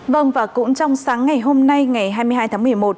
vâng và cũng trong sáng ngày hôm nay ngày hai mươi hai tháng một mươi một